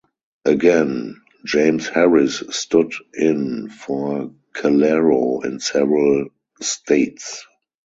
Again, James Harris stood in for Calero in several states.